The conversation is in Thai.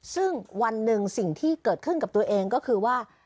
ซึ่งวันหนึ่งสิ่งที่เกิดขึ้นกับตัวเองก็คือว่า